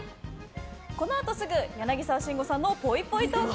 このあとすぐ柳沢慎吾さんのぽいぽいトーク。